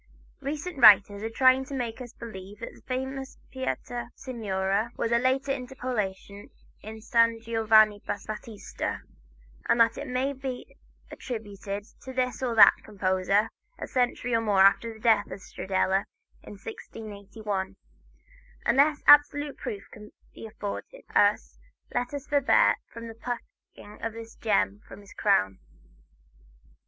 Recent writers are trying to make us believe that the famous "Pietà Signore" was a later interpolation in "San Giovanni Battista," and that it may be attributed to this or that composer, a century or more after the death of Stradella, in 1681. Unless absolute proof be afforded us, let us forbear from plucking this gem from his crown.